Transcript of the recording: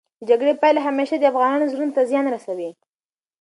د جګړې پايلې همېشه د افغانانو زړونو ته زیان رسوي.